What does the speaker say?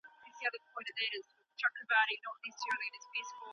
په لاس لیکلنه د پیچلو مسایلو د ساده کولو لاره ده.